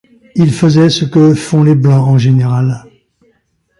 Ils faisaient ce que font les Blancs en général.